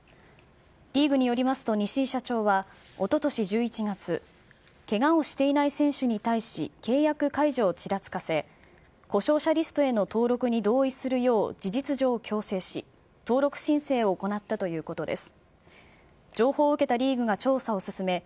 リーグによりますと、西井社長はおととし１１月、けがをしていない選手に対し、契約解除をちらつかせ、故障者リストへの登録に同意するよう、事実上強制し、登録申請を行ったということです。